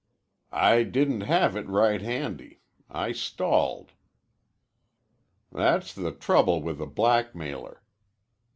"I didn't have it right handy. I stalled." "That's the trouble with a blackmailer.